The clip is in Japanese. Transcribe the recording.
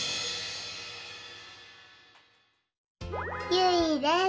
ゆいです。